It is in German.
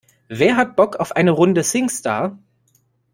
Wer hat Bock auf eine Runde Singstar?